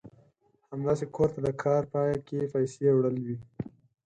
همداسې کور ته د کار پای کې پيسې وړل وي.